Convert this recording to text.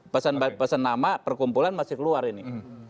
pesan pesan nama perkumpulan masih keluar ini